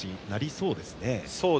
そうですね。